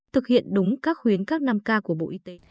thực hiện đúng các khuyến các năm k của bộ y tế